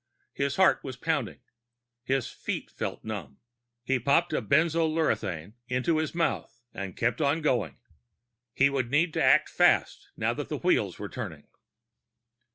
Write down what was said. His heart was pounding; his feet felt numb. He popped a benzolurethrin into his mouth and kept on going. He would need to act fast, now that the wheels were turning.